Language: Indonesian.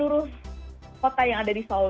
seluruh kota yang ada di seoul